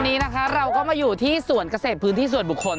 วันนี้นะคะเราก็มาอยู่ที่สวนเกษตรพื้นที่ส่วนบุคคล